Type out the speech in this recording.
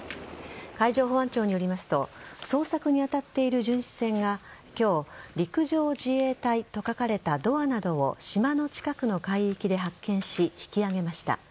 海上保安庁によりますと捜索に当たっている巡視船が今日陸上自衛隊と書かれたドアなどを島の近くの海域で発見し引き揚げました。